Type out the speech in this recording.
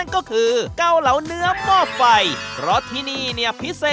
ก็คือเกาเหาะเนื้อต้นเนื้อต้นเนื้อพอกไฟ